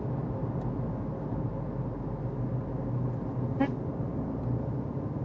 えっ？